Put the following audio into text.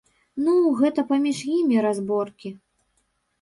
Ну, гэта паміж імі разборкі.